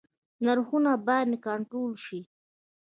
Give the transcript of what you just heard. نرخونه باید کنټرول شي